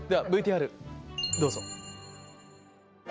ではＶＴＲどうぞ。